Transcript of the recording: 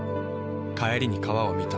帰りに川を見た。